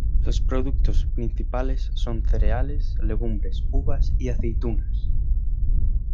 Los productos principales son cereales, legumbres, uvas y aceitunas.